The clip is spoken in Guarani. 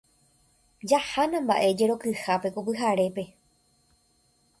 Jahánamba'e jerokyhápe ko pyharépe.